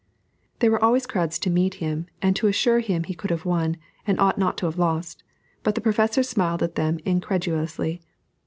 There were always crowds to meet him, and to assure him he could have won, and ought not to have lost; but the Professor smiled at them incredulously.